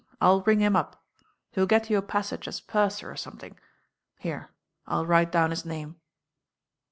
I'U ring him up. He'U get you a passage as purser or someAmg. Here, I'll write down his name."